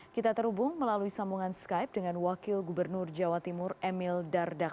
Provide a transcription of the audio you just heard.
kita terhubung melalui sambungan skype dengan wakil gubernur jawa timur emil dardak